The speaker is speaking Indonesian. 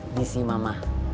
ini sih mama